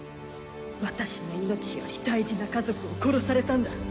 私の命より大事な家族を殺されたんだ。